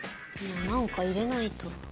なんか入れないと。